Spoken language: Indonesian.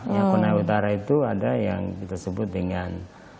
ya korea utara itu ada yang kita sebut dengan